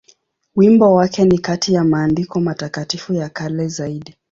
Wimbo wake ni kati ya maandiko matakatifu ya kale zaidi.